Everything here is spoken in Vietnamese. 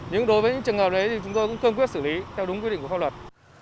nhưng đối với những trường hợp đấy thì chúng tôi cũng cương quyết xử lý theo đúng quy định của pháp luật